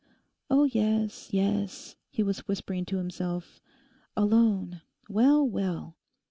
'Oh, yes, yes,' he was whispering to himself; 'alone—well, well!